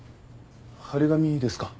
張り紙ですか。